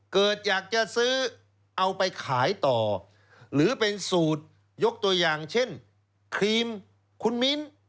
เกิดอยากจะซื้อเอาไปขายต่อหรือเป็นสูตรยกตัวอย่างเช่นครีมคุณมิ้น